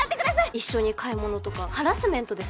一緒に買い物とかハラスメントです。